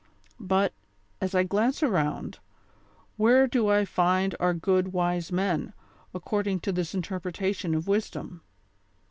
But, as I glance around, where do I find our good wise men, according to this interpretation of wis dom